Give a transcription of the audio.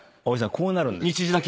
こうなるんですよ。